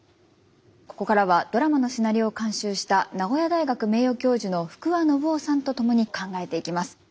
ここからはドラマのシナリオを監修した名古屋大学名誉教授の福和伸夫さんと共に考えていきます。